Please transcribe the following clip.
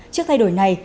trước thay đổi này